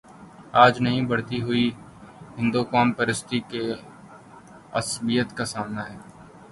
آج انہیں بڑھتی ہوئی ہندوقوم پرستی کی عصبیت کا سامنا ہے۔